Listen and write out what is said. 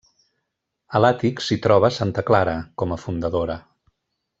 A l’àtic s’hi troba Santa Clara, com a fundadora.